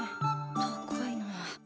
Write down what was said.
高いな。